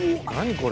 これ。